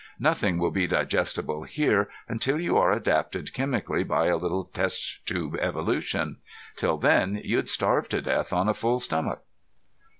Nothing will be digestible here until you are adapted chemically by a little test tube evolution. Till then you'd starve to death on a full stomach."